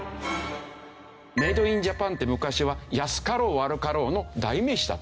メイド・イン・ジャパンって昔は「安かろう悪かろう」の代名詞だった。